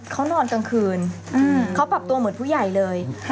เขาปรับตัวเหมือนผู้ใหญ่เลย